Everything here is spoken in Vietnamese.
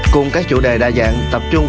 cùng các chủ đề đa dạng tập trung